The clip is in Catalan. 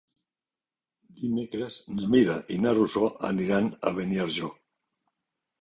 Dimecres na Mira i na Rosó aniran a Beniarjó.